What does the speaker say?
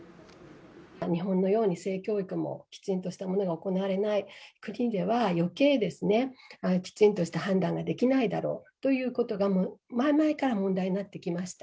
日本のように、性教育もきちんとしたものが行われない国では、よけい、きちんとした判断ができないだろうということが、前々から問題になってきました。